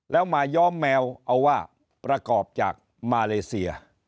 แล้วมาย้อมแมวเอาว่าประกอบจากมาเลเซีย